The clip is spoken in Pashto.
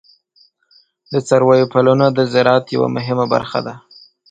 د څارویو پالنه د زراعت یوه مهمه برخه ده.